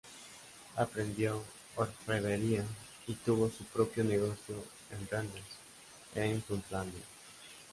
Aprendió orfebrería y tuvo su propio negocio en Randers en Jutlandia.